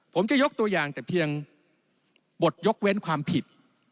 ผมจะยกตัวอย่างแต่เพียงบทยกเว้นความผิด